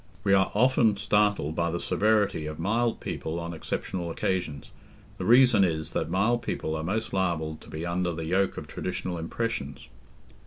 We are often startled by the severity of mild people on exceptional occasions; the reason is, that mild people are most liable to be under the yoke of traditional impressions.